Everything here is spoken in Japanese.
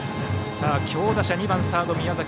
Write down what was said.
強打者、２番サードの宮崎。